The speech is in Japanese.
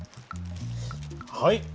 はい。